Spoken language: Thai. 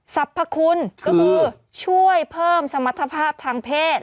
สรรพคุณก็คือช่วยเพิ่มสมรรถภาพทางเพศ